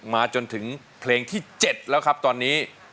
มาจนถึงเพลงที่๗แล้วครับตอนนี้